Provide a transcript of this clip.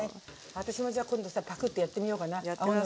私もじゃ今度さパクってやってみようかな青のり。